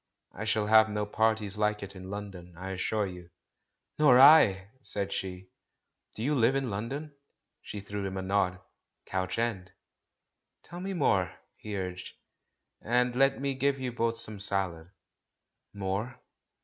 "I shall have no parties like it in London, I assure you." "Nor I !" said she. "Do you live in London?" She threw him a nod. "Crouch End." "Tell me more," he urged. "And let me give you both some salad." "More?